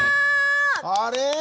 あれ？